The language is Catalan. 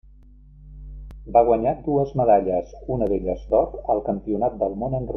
Va guanyar dues medalles, una d'elles d'or, al Campionat del Món en ruta.